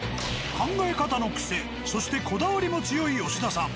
考え方のクセそしてこだわりの強い吉田さん。